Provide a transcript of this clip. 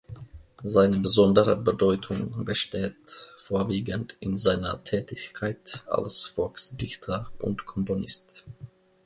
Seine besondere Bedeutung besteht vorwiegend in seiner Tätigkeit als Volksdichter und -komponist.